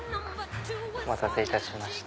お待たせいたしました